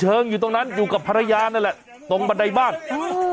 เฉิงอยู่ตรงนั้นอยู่กับภรรยาเนอะแหละตรงบันไดบ้านอืม